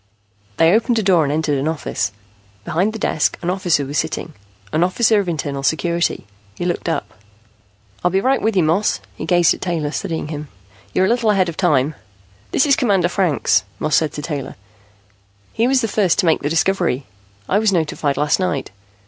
They opened a door and entered an office. Behind the desk, an officer was sitting, an officer of Internal Security. He looked up. "I'll be right with you, Moss." He gazed at Taylor studying him. "You're a little ahead of time." "This is Commander Franks," Moss said to Taylor. "He was the first to make the discovery. I was notified last night."